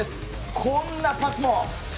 こんなパスも。